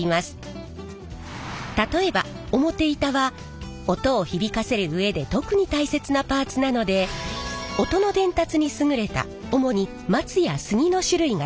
例えば表板は音を響かせる上で特に大切なパーツなので音の伝達に優れた主にマツやスギの種類が使われます。